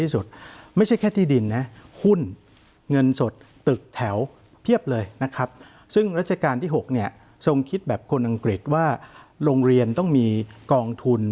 ซึ่งรัชกาลที่๖เนี่ยทรงคิดแบบคนอังกฤษว่าโรงเรียนต้องมีกองทุน